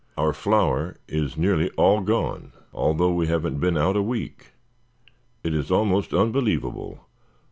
Our flour is nearly all gone, though we haven't been out a week. It is almost unbelievable.